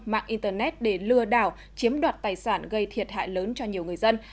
mạng internet để lừa đảo chiếm đoạt tài sản gây thiệt hại lớn cho nhiều người dân